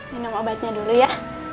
minum obatnya dulu ya